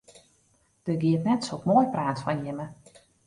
Der giet net sok moai praat fan jimme.